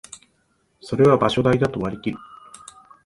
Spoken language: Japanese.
それは場所代だと割りきる